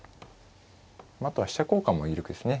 あとは飛車交換も有力ですね。